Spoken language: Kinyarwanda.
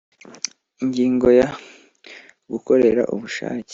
Ingingo ya gukorera ubushake